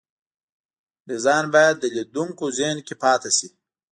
ډیزاین باید د لیدونکو ذهن کې پاتې شي.